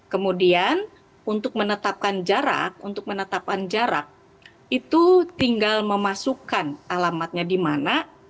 kemudian untuk menetapkan jarak itu tinggal memasukkan alamatnya di mana